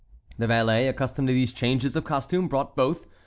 The valet, accustomed to these changes of costume, brought both.